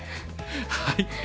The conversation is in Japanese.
はい。